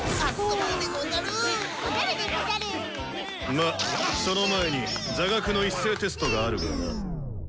まその前に座学の一斉テストがあるがな。